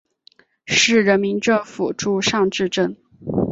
市人民政府驻尚志镇。